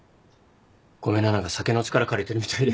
ごめんな何か酒の力借りてるみたいで。